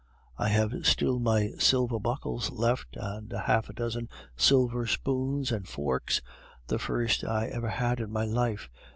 I have still my silver buckles left, and half a dozen silver spoons and forks, the first I ever had in my life.